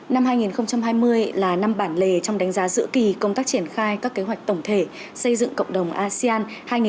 năm hai nghìn hai mươi là năm bản lề trong đánh giá giữa kỳ công tác triển khai các kế hoạch tổng thể xây dựng cộng đồng asean hai nghìn hai mươi hai nghìn hai mươi năm